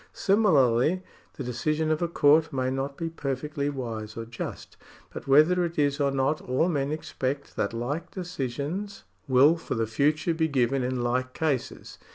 Similarly the decision of a court may not be perfectly wise or just ; but whether it is or not, all men expect that like decisions will for the future be given in like cases.